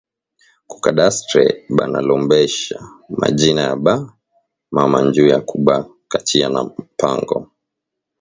Ku cadastre bana lombbesha ma jina ya ba mama njuya ku ba kachiya ma pango